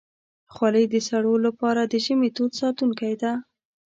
خولۍ د سړو لپاره د ژمي تود ساتونکی ده.